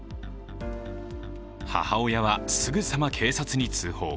母親はすぐさま警察に通報。